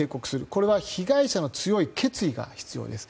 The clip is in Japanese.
これは被害者の強い決意が必要です。